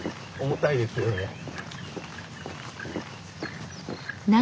重たいですよね。